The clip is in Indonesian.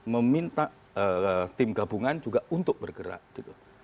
meminta tim gabungan juga untuk bergerak gitu